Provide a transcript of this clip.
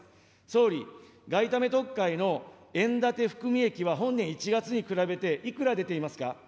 総理、外為特会の円建て含み益は本年１月に比べていくら出ていますか。